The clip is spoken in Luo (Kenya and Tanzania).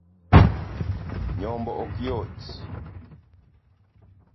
Nyombo ok yot